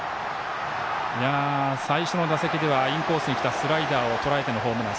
最初の打席ではインコースにきたスライダーをとらえてのホームラン。